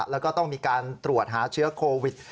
แล้วก็ต้องมีการตรวจหาเชื้อโควิด